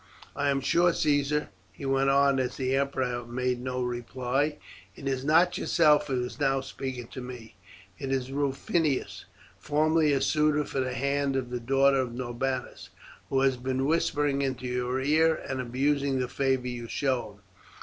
I am sure, Caesar," he went on as the emperor made no reply, "it is not yourself who is now speaking to me; it is Rufinus, formerly a suitor for the hand of the daughter of Norbanus, who has been whispering into your ear and abusing the favour you show him.